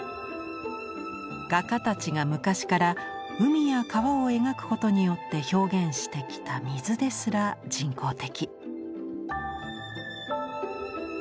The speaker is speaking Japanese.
画家たちが昔から海や川を描くことによって表現してきた水ですら人工的。